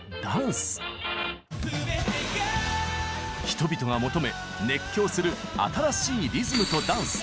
人々が求め熱狂する新しいリズムとダンス。